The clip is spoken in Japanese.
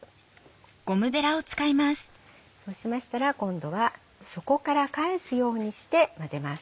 そうしましたら今度は底から返すようにして混ぜます。